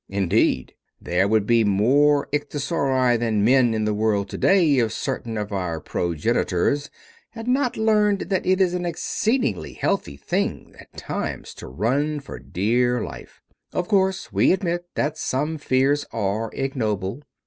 Indeed, there would be more ichthyosauri than men in the world to day if certain of our progenitors had not learned that it is an exceedingly healthful thing at times to run for dear life. Of course, we admit that some fears are ignoble.